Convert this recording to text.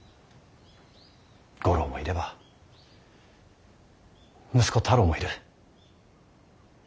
五郎もいれば息子太郎もいる。